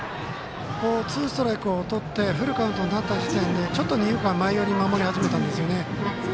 ツーストライクをとってフルカウントになった時点でちょっと、二遊間前寄りに守り始めたんですよね。